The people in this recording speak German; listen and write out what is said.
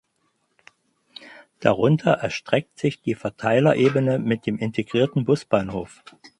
Darunter erstreckt sich die Verteilerebene mit dem integrierten Busbahnhof.